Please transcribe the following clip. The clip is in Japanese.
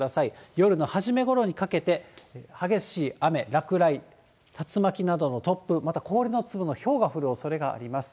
夜の初めごろにかけて、激しい雨、落雷、竜巻などの突風、また氷の粒のひょうが降るおそれがあります。